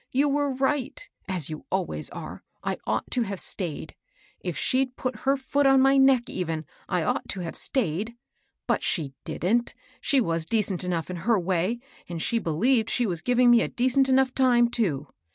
You were right, ab you always are, — I ought to have stayed. If she'd 132 MABEL ROSS. put her foot on my neck, even, I ought to have stayed. But she didn't, — she was decent enough m her way, and she believed she was giving me a decent enough time, too.